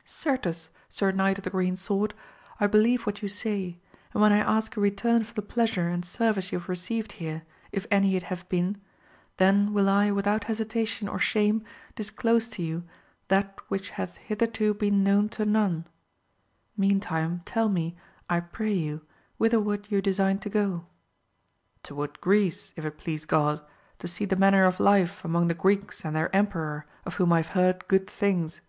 — AMADIS OF GAUR 271 Certes Sir Knight of the Green Sword I believe what you say, and when I ask a return for the pleasure and service you have received here, if any it have been, then will I without hesitation or shame disclose to you that which hath hitherto been known to none : meantime tell me I pray you whitherward you design to go. — ^Toward Greece if it please God, to see the manner of life among the Greeks and their emperor, of whom I have heard good things.